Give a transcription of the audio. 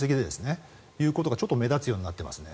そういうことがちょっと目立つようになってますね。